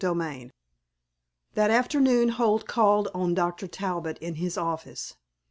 XXXVII That afternoon Holt called on Dr. Talbot in his office.